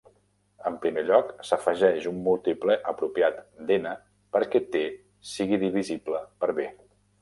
En primer lloc, s'afegeix un múltiple apropiat d'"N" perquè "T" sigui divisible per "B".